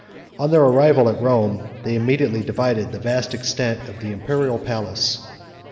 On their arrival at Rome, they immediately divided the vast extent of the imperial palace.